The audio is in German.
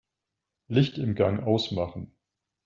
Licht im Gang ausmachen.